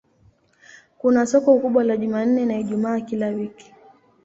Kuna soko kubwa la Jumanne na Ijumaa kila wiki.